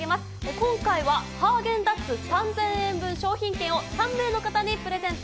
今回はハーゲンダッツ３０００円分の商品券を３名の方にプレゼント。